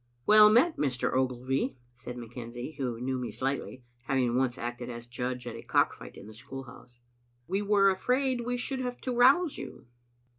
"Well met, Mr. Ogilvy," said McKenzie, who knew me slightly, having once acted as judge at a cock fight in the school house. " We were afraid we should have to rouse you.